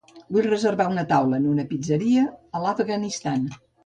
Vull reservar taula en una pizzeria a l'Afganistan.